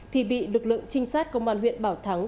thì bị lực lượng trinh sát công an huyện bảo thắng